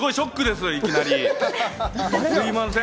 すみません。